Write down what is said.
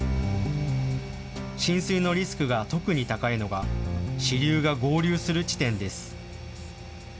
浸水のリスクが特に高いのが支流が合流する地点です。